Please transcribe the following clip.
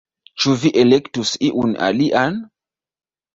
Ĉu vi elektus iun alian